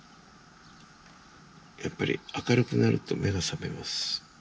やっぱり、明るくなると目が覚めます。